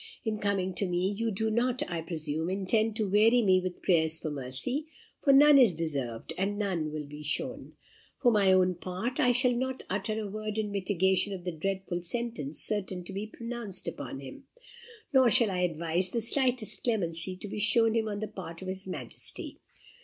In coming to me you do not, I presume, intend to weary me with prayers for mercy; for none is deserved, and none will be shown. For my own part, I shall not utter a word in mitigation of the dreadful sentence certain to be pronounced upon him; nor shall I advise the slightest clemency to be shown him on the part of his Majesty.